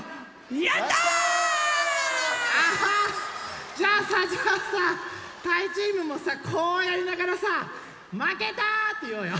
やった！じゃあさじゃあさたいチームもさこうやりながらさ「まけた！」っていおうよ。